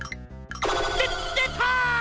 でっでた！